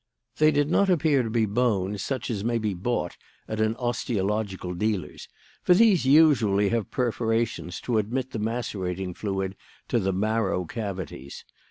"They did not appear to be bones such as may be bought at an osteological dealer's, for these usually have perforations to admit the macerating fluid to the marrow cavities.